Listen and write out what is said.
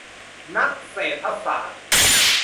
นักเศรษฐศาสตร์